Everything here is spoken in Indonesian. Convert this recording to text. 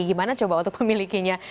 gimana coba untuk memilikinya